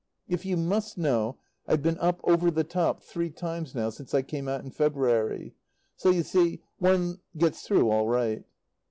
If you must know, I've been up "over the top" three times now since I came out in February. So, you see, one gets through all right.